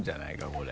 これ。